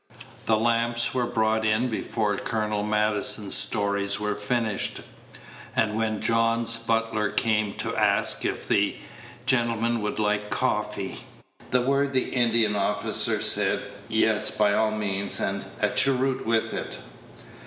The lamps were brought in before Colonel Maddison's stories were finished; and when John's butler came to ask if the gentlemen would like coffee, the worthy Indian officer said "Yes, by all means, and a cheroot with it.